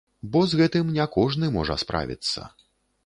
Бо з гэтым не кожны можа справіцца.